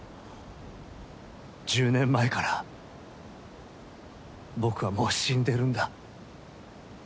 １０年前から僕はもう死んでるんだ。